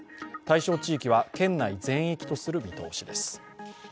対象地域は県内全域とする見通しです。